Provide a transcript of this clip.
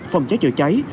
phòng cháy chở cháy